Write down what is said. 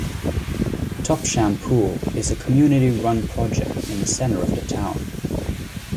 Topsham Pool is a community run project in the centre of the town.